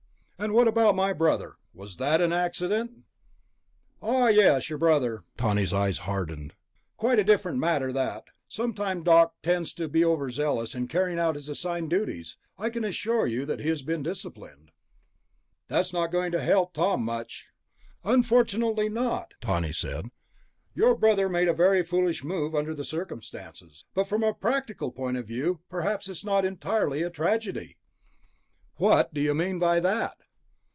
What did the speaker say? "And what about my brother? Was that an accident?" "Ah, yes, your brother." Tawney's eyes hardened. "Quite a different matter, that. Sometimes Doc tends to be over zealous in carrying out his assigned duties. I can assure you that he has been ... disciplined." "That's not going to help Tom very much." "Unfortunately not," Tawney said. "Your brother made a very foolish move, under the circumstances. But from a practical point of view, perhaps it's not entirely a tragedy." "What do you mean by that?"